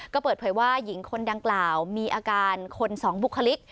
ก็เปิดเผยว่าหญิงคนดังกล่าวมีอาการคนสองบุคลิก